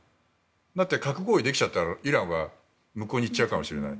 だって、核合意できちゃったら向こうにいっちゃうかもしれない。